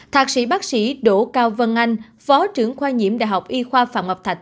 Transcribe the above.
thạc sĩ bác sĩ đỗ cao vân anh phó trưởng khoa nhiễm đh y khoa phạm ngọc thạch